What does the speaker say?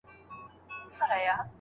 ایا څېړونکی په لابراتوار کي کار کوي؟